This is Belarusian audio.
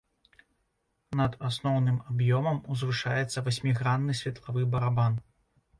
Над асноўным аб'ёмам узвышаецца васьмігранны светлавы барабан.